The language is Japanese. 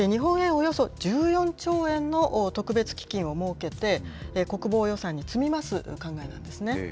およそ１４兆円の特別基金を設けて、国防予算に積み増す考えなんですね。